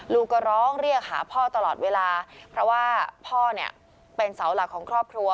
ลูกก็ร้องเรียกหาพ่อตลอดเวลาเพราะว่าพ่อเนี่ยเป็นเสาหลักของครอบครัว